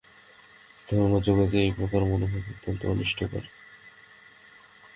ধর্মজগতে এই প্রকার মনোভাব অত্যন্ত অনিষ্টকর।